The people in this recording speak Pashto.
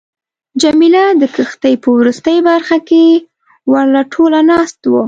جميله د کښتۍ په وروستۍ برخه کې ورله ټوله ناسته وه.